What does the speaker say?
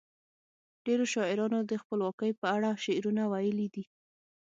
ډیرو شاعرانو د خپلواکۍ په اړه شعرونه ویلي دي.